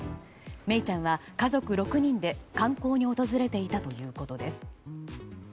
愛李ちゃんは家族６人で観光に訪れていたということです。